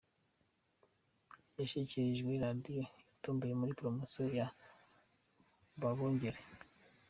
Yashyikirijwe Radio yatomboye muri Promosiyo ya Babongere.